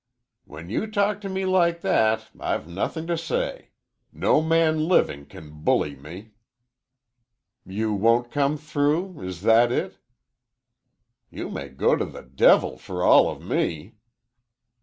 "When you talk to me like that I've nothing to say. No man living can bully me." "You won't come through. Is that it?" "You may go to the devil for all of me."